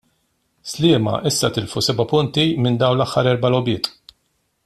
Sliema issa tilfu seba' punti minn dawn l-aħħar erba' logħbiet.